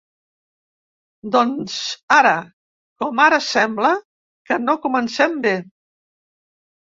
Doncs ara com ara sembla que no comencem bé.